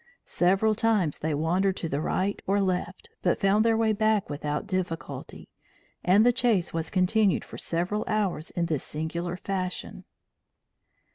Several times they wandered to the right or left, but found their way back without difficulty, and the chase was continued for several hours in this singular fashion.